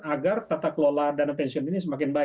agar tata kelola dana pensiun ini semakin baik